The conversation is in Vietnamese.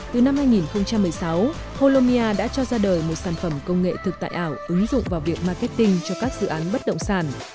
từ năm hai nghìn một mươi sáu holomia đã cho ra đời một sản phẩm công nghệ thực tại ảo ứng dụng vào việc marketing cho các dự án bất động sản